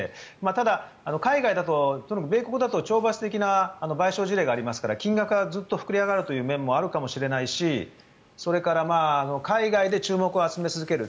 ただ、海外だと、米国だと懲罰的な賠償事例がありますから金額はずっと膨れ上がるという面もあるかもしれないしそれから海外で注目を集め続ける。